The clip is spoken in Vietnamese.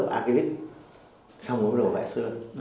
lớp acrylic xong nó bắt đầu vẽ sơn